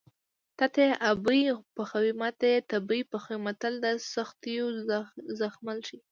تاته یې ابۍ پخوي ماته یې تبۍ پخوي متل د سختیو زغمل ښيي